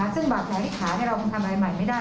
ซึกบัตรแหละที่ขาเนี่ยเราทำอะไรใหม่ไม่ได้